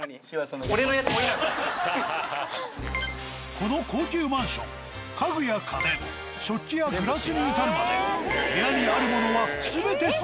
この高級マンション家具や家電食器やグラスに至るまで。